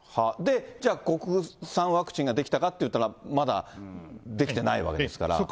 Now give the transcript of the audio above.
で、じゃあ国産ワクチンが出来たかっていったら、まだ出来てないわけですから。